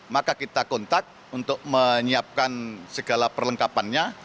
maka kita kontak untuk menyiapkan segala perlengkapannya